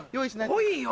来いよ。